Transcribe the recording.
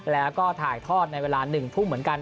แล้วก็ถ่ายทอดในเวลา๑ทุ่มเหมือนกัน